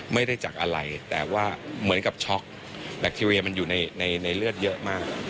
ไม่ได้จากอะไรแต่ว่าเหมือนกับช็อกแบคทีเรียมันอยู่ในเลือดเยอะมาก